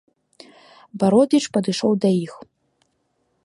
Бародзіч падышоў да іх.